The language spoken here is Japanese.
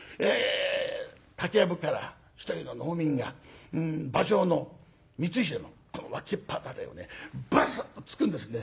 竹やぶから一人の農民が馬上の光秀の脇っ腹辺りをねブスッと突くんですね。